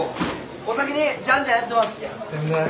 お先にじゃんじゃんやってます。